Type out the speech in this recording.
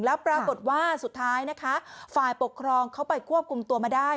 แล้วปรากฏว่าสุดท้ายนะคะฝ่ายปกครองเขาไปควบคุมตัวมาได้